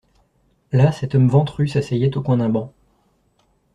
Là cet homme ventru s'asseyait au coin d'un banc.